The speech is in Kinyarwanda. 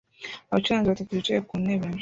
Abacuranzi batatu bicaye ku ntebe